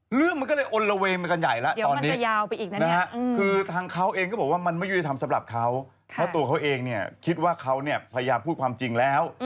เรื่องมันก็เลยอ้อนระเวงไปกันใหญ่แล้ว